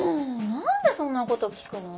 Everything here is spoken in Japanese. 何でそんなこと聞くの？